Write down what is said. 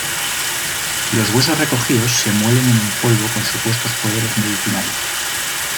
Los huesos recogidos se muelen en un polvo con supuestos poderes medicinales.